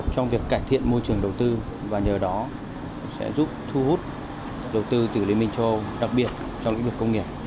để thực hiện môi trường đầu tư và nhờ đó sẽ giúp thu hút đầu tư tỷ liên minh châu âu đặc biệt trong lĩnh vực công nghiệp